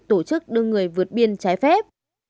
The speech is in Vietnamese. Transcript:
tổ chức đưa người vượt biên trái phép